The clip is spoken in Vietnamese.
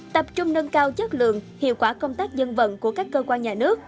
tập trung nâng cao chất lượng hiệu quả công tác dân vận của các cơ quan nhà nước